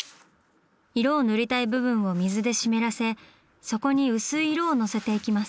色を塗りたい部分を水で湿らせそこに薄い色をのせていきます。